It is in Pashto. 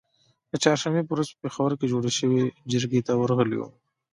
د چهارشنبې په ورځ په پیښور کې جوړی شوې جرګې ته ورغلي وو